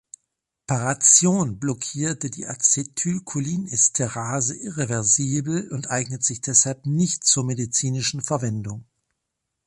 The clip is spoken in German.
Parathion blockiert die Acetylcholinesterase irreversibel und eignet sich deshalb nicht zur medizinischen Verwendung.